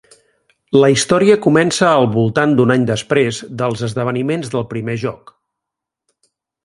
La història comença al voltant d'un any després dels esdeveniments del primer joc.